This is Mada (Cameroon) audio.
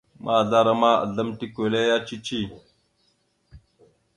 Mahəzlaraŋa ma, azlam tikweleya cici.